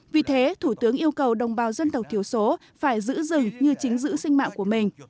vì thế thủ tướng yêu cầu đồng bào dân tộc thiểu số phải giữ rừng như chính giữ sinh mạng của mình